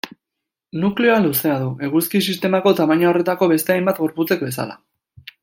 Nukleoa luzea du, eguzki-sistemako tamaina horretako beste hainbat gorputzek bezala.